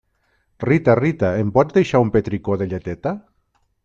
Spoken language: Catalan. Rita, Rita, em pots deixar un petricó de lleteta?